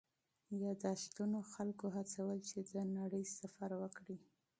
یادښتونه خلکو هڅول چې د نړۍ سفر وکړي.